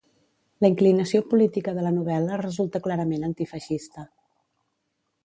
La inclinació política de la novel·la resulta clarament antifeixista.